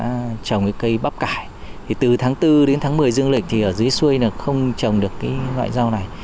bà con đã trồng cây bắp cải từ tháng bốn đến tháng một mươi dương lịch thì ở dưới xuôi không trồng được loại rau này